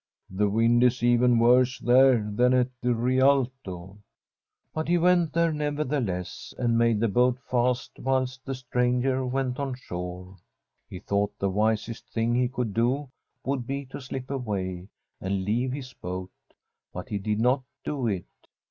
' The wind is even worse there than at the Rialto/ But he went there, nevertheless, and made tbe boat fast whilst the stranger went on shore. He thought the wisest thing he could do would be to slip away and leave his boat, but he did not do it.